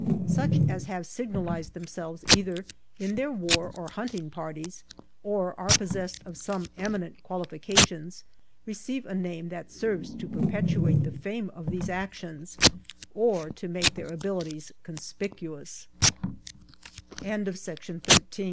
Such as have signalized themselves cither in their war or hunting parties, oi are possessed of some eminent qualifications receive a name that serves to perpetu ate the fame of these actions, or to make their abilities